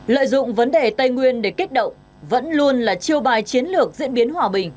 lợi dụng vấn đề tây nguyên để kích động vẫn luôn là chiêu bài chiến lược diễn biến hòa bình